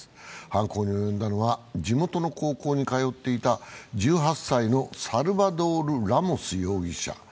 犯行に及んだのは、地元の高校に通っていた１８歳のサルバドール・ラモス容疑者。